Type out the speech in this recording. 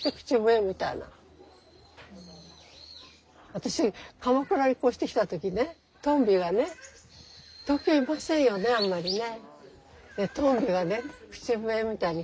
私鎌倉に越してきた時ねトンビがね東京いませんよねあんまりね。